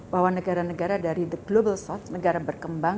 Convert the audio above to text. bahwa negara negara dari the global south negara berkembang